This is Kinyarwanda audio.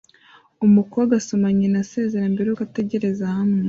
Umukobwa asoma nyina asezera mbere yuko ategereza hamwe